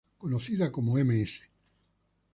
Conocida como Ms.